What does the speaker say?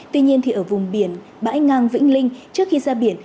tuy nhiên thì ở vùng biển bãi ngang vĩnh linh trước khi ra biển